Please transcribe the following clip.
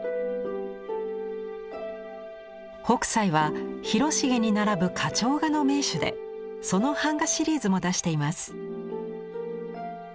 北斎は広重に並ぶ花鳥画の名手でその版画シリーズも出しています。